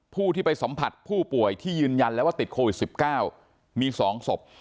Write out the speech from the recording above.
ผู้ที่ไปสัมผัสผู้ป่วยที่ยืนยันแล้วว่าติดโควิด๑๙มี๒ศพ